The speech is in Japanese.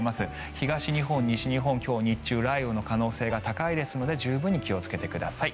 東日本、西日本、今日日中雷雨の可能性が高いですので十分に気をつけてください。